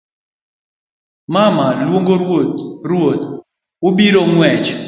mama; luongo ruoth ruoth; obiro ng'wech